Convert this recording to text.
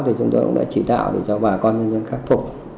thì chúng tôi cũng đã chỉ đạo cho bà con nhân dân khắc phổ